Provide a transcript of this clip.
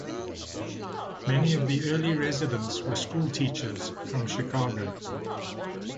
Many of the early residents were schoolteachers from Chicago.